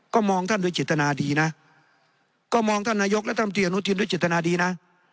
ก็มองท่านด้วยจิตนาดีนะก็มองท่านนายกและท่านปริยนุธินด้วยจิตนาดีนะ